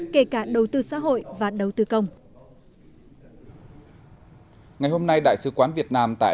kể cả đầu tư xã hội và đầu tư công ngày hôm nay đại sứ quán việt nam tại